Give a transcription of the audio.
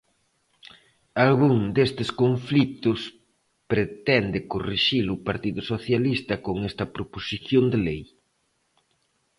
Algún destes conflitos pretende corrixilo o Partido Socialista con esta proposición de lei.